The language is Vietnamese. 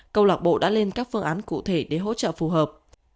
câu lạc bộ đã lên các phương án cụ thể để hỗ trợ phù hợp